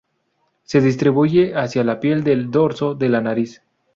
Se distribuye hacia la piel del "dorso de la nariz".